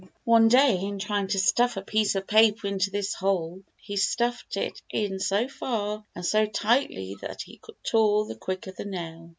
One day, in trying to stuff a piece of paper into this hole, he stuffed it in so far and so tightly that he tore the quick of nail.